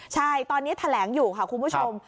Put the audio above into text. ใช่ตอนนี้แถลงอยู่ค่ะคุณผู้ชม